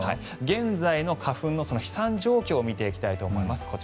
現在の花粉の飛散状況を見ていきたいと思います。